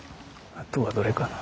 あとはどれかな？